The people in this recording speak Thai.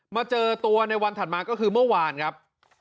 มาเจอตัวในวันถัดมาก็คือเมื่อวานครับ